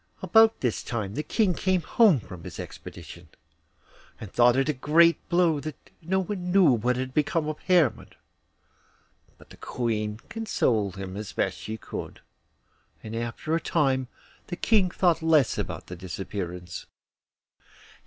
About this time the King came home from his expedition, and thought it a great blow that no one knew what had become of Hermod; but the Queen consoled him as best she could, and after a time the King thought less about his disappearance.